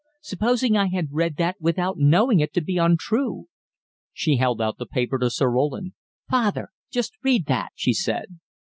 Supposing I had read that without knowing it to be untrue!" She held out the paper to Sir Roland. "Father, just read that," she said.